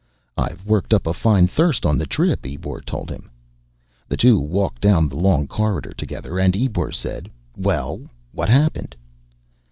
"I've worked up a fine thirst on the trip," Ebor told him. The two walked down the long corridor together and Ebor said, "Well? What happened?"